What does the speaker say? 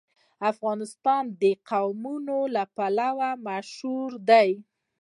افغانستان د قومونه لپاره مشهور دی.